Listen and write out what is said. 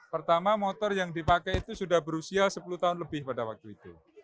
pertama motor yang dipakai itu sudah berusia sepuluh tahun lebih pada waktu itu